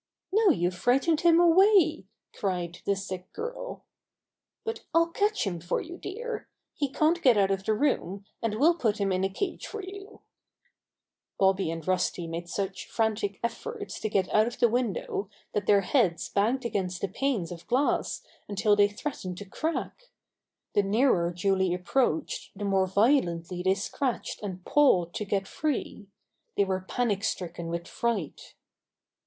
"Now you've frightened him away!" cried the sick girl. "But I'll catch him for you, dear. He can't get out of the room, and we'll put him in a cage for you." Little Girl Saves Bobby and Rusty 31 Bobby and Rusty made such frantic efforts to get out of the window that their heads banged against the panes of glass until they threatened to crack. The nearer Julie ap proached the more violently they scratched and pawed to get free. They were panic stricken with fright.